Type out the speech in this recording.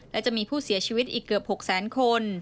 และจะมีผู้เสียชีวิตอีกเกือบ๖แสนคน